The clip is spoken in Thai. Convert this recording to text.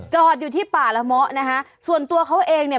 จอดอยู่ที่ป่าละเมาะนะคะส่วนตัวเขาเองเนี่ย